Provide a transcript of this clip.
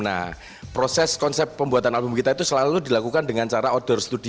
nah proses konsep pembuatan album kita itu selalu dilakukan dengan cara outdoor studi